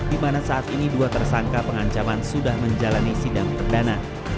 di mana saat ini dua tersangka pengancaman sudah menjalani sidang perdana